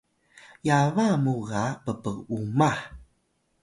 yaba muw ga pp’umah